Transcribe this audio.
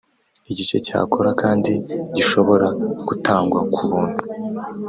igice cyacyo kandi gishobora gutangwa kubuntu